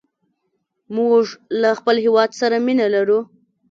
موږ له خپل هېواد سره مینه لرو.